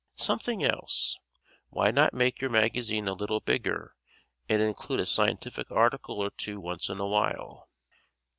Something else: why not make your magazine a little bigger and include a scientific article or two once in a while?